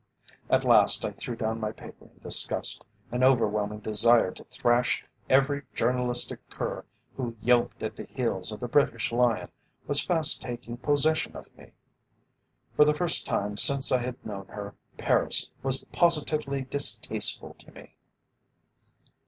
At last I threw down my paper in disgust. An overwhelming desire to thrash every journalistic cur who yelped at the heels of the British Lion was fast taking possession of me. For the first time since I had known her, Paris was positively distasteful to me.